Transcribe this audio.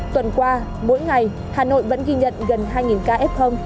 tuần qua mỗi ngày hà nội vẫn ghi nhận gần hai ca f